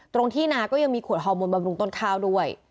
ที่นาก็ยังมีขวดฮอร์โมนบำรุงต้นข้าวด้วย